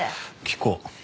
聞こう。